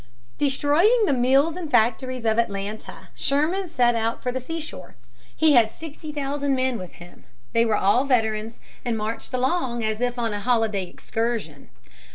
Destroying the mills and factories of Atlanta, Sherman set out for the seashore. He had sixty thousand men with him. They were all veterans and marched along as if on a holiday excursion.